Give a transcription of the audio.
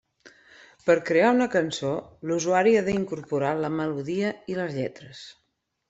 Per crear una cançó, l'usuari ha d'incorporar la melodia i les lletres.